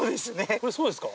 これそうですか？